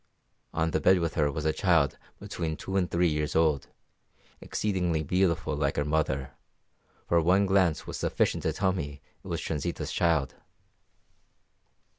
On the bed with her was a child between two and three years old, exceedingly beautiful like her mother, for one glance was sufficient to tell me it was Transita's child.